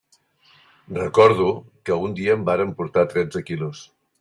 Recordo que un dia en vàrem portar tretze quilos.